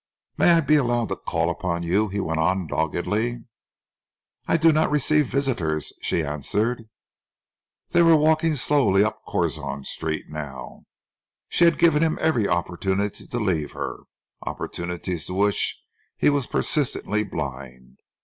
"May I be allowed to call upon you?" he went on, doggedly. "I do not receive visitors," she answered. They were walking slowly up Curzon Street now. She had given him every opportunity to leave her, opportunities to which he was persistently blind.